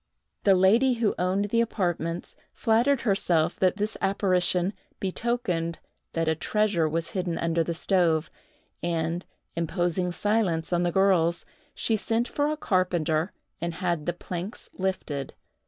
The lady who owned the apartments flattered herself that this apparition betokened that a treasure was hidden under the stove, and, imposing silence on the girls, she sent for a carpenter and had the planks lifted.